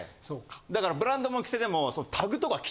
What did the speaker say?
だからブランドもん着せても。